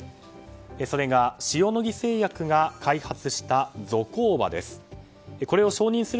それが塩野義製薬が開発したゾコーバです。